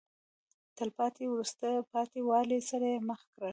د تلپاتې وروسته پاتې والي سره یې مخ کړل.